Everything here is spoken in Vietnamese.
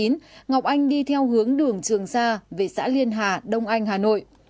ngọc anh đi theo hướng đường trường sa về xã liên hà đông anh hà nội